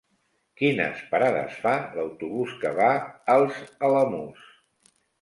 Quines parades fa l'autobús que va als Alamús?